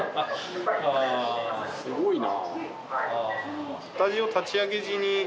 すごいな。